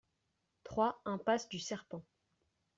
trois impasse du Serpent